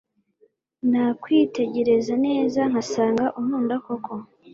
nakwitegereza neza nkasanga unkunda koko